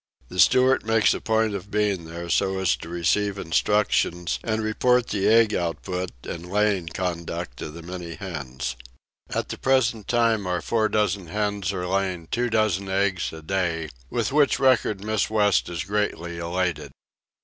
The steward makes a point of being there so as to receive instructions and report the egg output and laying conduct of the many hens. At the present time our four dozen hens are laying two dozen eggs a day, with which record Miss West is greatly elated.